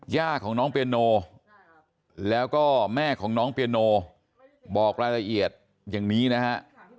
ย่าของน้องเปียโนแล้วก็แม่ของน้องเปียโนบอกรายละเอียดอย่างนี้นะฮะ